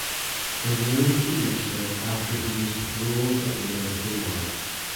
They moved to Lynchburg after he was paroled at the end of the war.